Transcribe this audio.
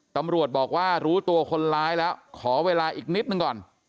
ตำรวจบอกว่ารู้ตัวคนร้ายแล้วขอเวลาอีกนิดหนึ่งก่อน